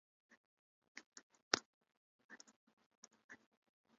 生まれも育ちも長野県